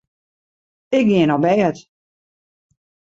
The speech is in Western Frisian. Ik gean op bêd.